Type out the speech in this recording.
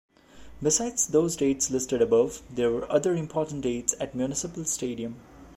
Besides those dates listed above, there were other important dates at Municipal Stadium.